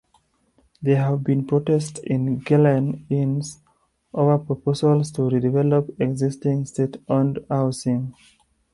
There have been protests in Glen Innes over proposals to redevelop existing state-owned housing.